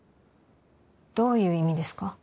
どういう意味ですか？